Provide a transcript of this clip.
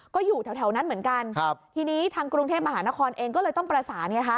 ก็อยู่แถวนั้นเหมือนกันครับทีนี้ทางกรุงเทพมหานครเองก็เลยต้องประสานไงคะ